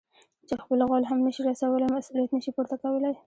چې خپل غول هم نه شي رسولاى؛ مسؤلیت نه شي پورته کولای.